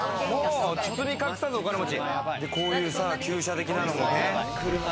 包み隠さずお金持ち、こういう旧車的なのもね。